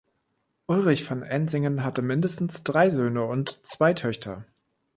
Ulrich von Ensingen hatte mindestens drei Söhne und zwei Töchter.